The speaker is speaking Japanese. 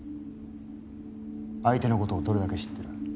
相手のことをどれだけ知ってる？